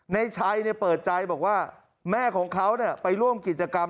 ในชัยเปิดใจบอกว่าแม่ของเขาไปร่วมกิจกรรม